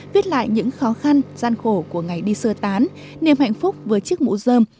viết lại những khó khăn gian khổ của ngày đi sơ tán niềm hạnh phúc với chiếc mũ dơm